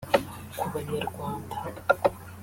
Ku Banyarwanda